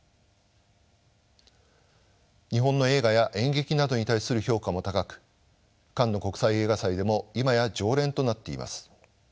日本の映画や演劇などに対する評価も高くカンヌ国際映画祭でも今や常連となっています。